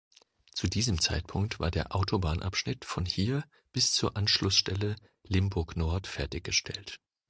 Zu diesem Zeitpunkt war der Autobahnabschnitt von hier bis zur Anschlussstelle Limburg-Nord fertiggestellt.